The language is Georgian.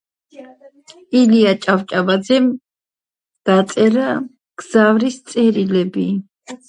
მდებარეობს მირანდა-დუ-დორუს მუნიციპალიტეტში.